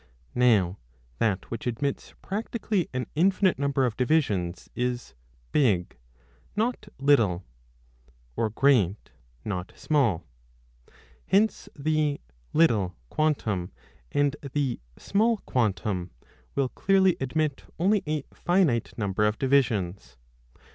Now that which admits practically an infinite number of divisions, is big not little (or great not small ). 2 Hence, the little quantum and the 5 small quantum will clearly admit only a finite number of divisions.